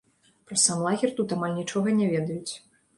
Пра сам лагер тут амаль нічога не ведаюць.